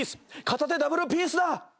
片手ダブルピースだ。